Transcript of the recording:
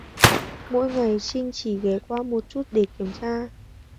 Mỗi ngày Trinh chỉ ghé qua một chút để kiểm tra